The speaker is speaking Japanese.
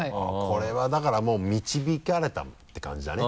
これはだからもう導かれたって感じだね。